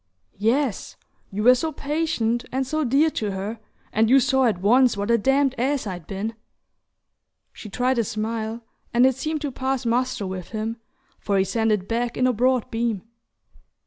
"Yes: you were so patient, and so dear to her; and you saw at once what a damned ass I'd been!" She tried a smile, and it seemed to pass muster with him, for he sent it back in a broad beam.